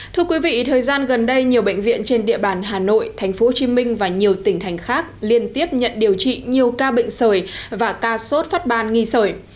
thưa quý vị thời gian gần đây nhiều bệnh viện trên địa bàn hà nội thành phố hồ chí minh và nhiều tỉnh thành khác liên tiếp nhận điều trị nhiều ca bệnh sởi và ca sốt phát ban nghi sởi